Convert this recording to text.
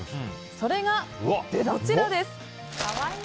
それが、こちらです。